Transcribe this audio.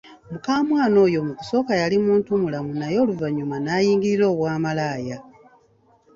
Mukamwana oyo mu kusooka yali muntu mulamu naye oluvanyuma nayingirira obwamalaaya.